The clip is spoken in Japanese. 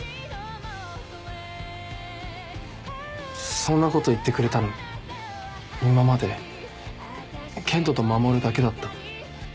そんなこと言ってくれたの今まで健人と守だけだった。